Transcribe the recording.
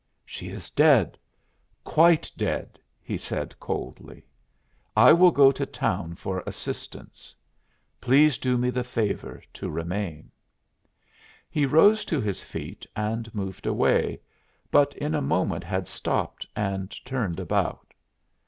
"She is dead quite dead," he said coldly. "I will go to town for assistance. Please do me the favor to remain." He rose to his feet and moved away, but in a moment had stopped and turned about.